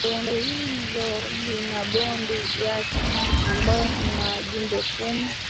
Bonde hilo lina Bodi yake ambayo ina wajumbe kumi